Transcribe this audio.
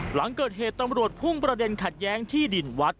หลังเกิดเหตุตำรวจพุ่งประเด็นขัดแย้งที่ดินวัด